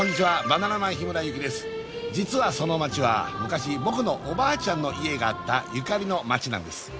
実はその町は昔僕のおばあちゃんの家があったゆかりの町なんです